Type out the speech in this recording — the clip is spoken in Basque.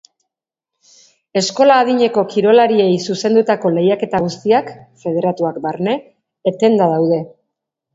Eskola-adineko kirolariei zuzendutako lehiaketa guztiak, federatuak barne, etenda daude.